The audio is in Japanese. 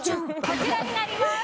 こちらになります。